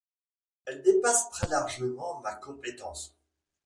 Elle dépasse très largement ma compétence.